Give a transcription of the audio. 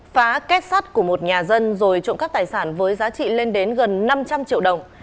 phá kết sắt của một nhà dân rồi trộm cắp tài sản với giá trị lên đến gần năm trăm linh triệu đồng